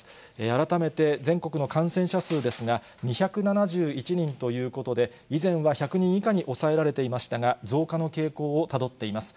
改めて全国の感染者数ですが、２７１人ということで、以前は１００人以下に抑えられていましたが、増加の傾向をたどっています。